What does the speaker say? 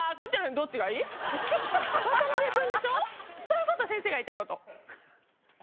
そういうこと、先生が言いたいこと。